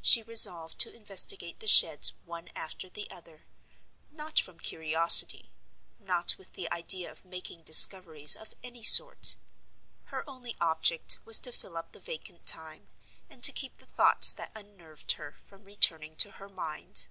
She resolved to investigate the sheds one after the other—not from curiosity, not with the idea of making discoveries of any sort. Her only object was to fill up the vacant time, and to keep the thoughts that unnerved her from returning to her mind.